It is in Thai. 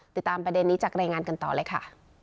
ติดตามประเด็นนี้จากรายงานกันต่อเลยค่ะ